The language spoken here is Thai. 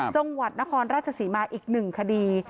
จังหวัดนครราชศรีมาอีก๑คดี